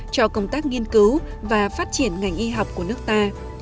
cho công tác nghiên cứu và phát triển ngành y học của nước ta